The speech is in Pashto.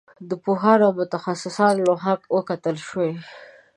د پوهانو او متخصصانو له خوا وکتل شي.